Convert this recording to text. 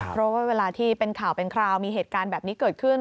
เพราะว่าเวลาที่เป็นข่าวเป็นคราวมีเหตุการณ์แบบนี้เกิดขึ้น